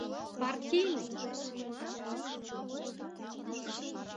Партийный!